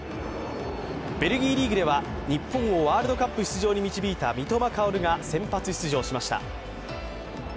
ベルギーリーグでは日本をワールドカップ出場に導いた三笘薫が先発出場しました。